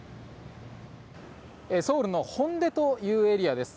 ソウルのホンデというエリアです。